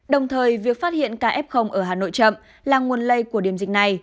đồng thời việc phát hiện ca f ở hà nội chậm là nguồn lây của điểm dịch này